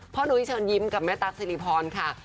นุ้ยเชิญยิ้มกับแม่ตั๊กสิริพรค่ะ